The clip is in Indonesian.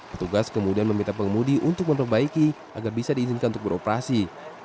petugas kemudian meminta pengemudi untuk memperbaiki agar bisa diizinkan untuk beroperasi